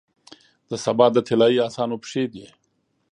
د سبا د طلایې اسانو پښې دی،